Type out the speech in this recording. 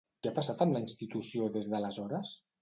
Què ha passat amb la institució des d'aleshores?